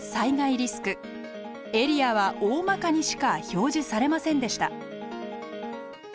エリアはおおまかにしか表示されませんでした。